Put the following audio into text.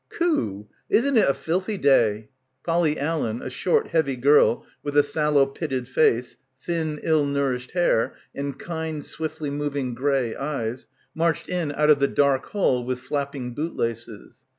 "Khoo, isn't it a filthy day !" Polly Allen, a short heavy girl with a sallow pitted face, thin ill nourished hair and kind swiftly moving grey eyes, marched in out of the dark hall with flap ping bootlaces.